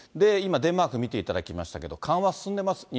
今、デンマーク見ていただきましたけど、緩和進んでます。